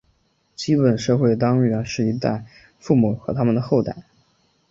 基本社会单元是一对父母和它们的后代。